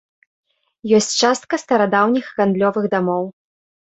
Ёсць частка старадаўніх гандлёвых дамоў.